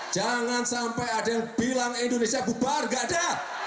jangan sampai ada yang bilang indonesia bubar tidak ada